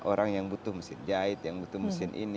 orang yang butuh mesin jahit yang butuh mesin ini